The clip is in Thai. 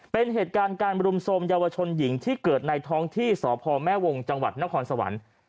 เป็นเหตุการณ์การบรุมโทรมเยาวชนหญิงที่เกิดในท้องที่สพแม่วงจังหวัดนครสวรรค์